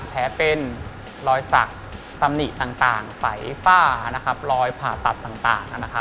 แผลเป็นรอยสักตำหนิต่างไฝฝ้ารอยผ่าตัดต่าง